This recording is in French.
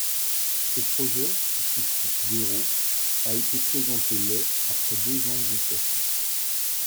Ce projet, qui coûte d'euros, a été présenté le après deux ans de gestation.